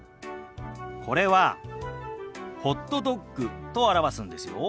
これは「ホットドッグ」と表すんですよ。